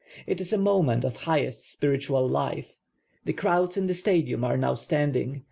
It is a moment of highest spiritual life. The crowds in the Stadium are now standing.